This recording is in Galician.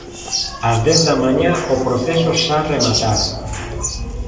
Ás dez da mañá o proceso xa rematara.